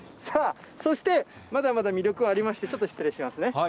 そしてまだまだ魅力ありまして、ちょっと失礼しますね。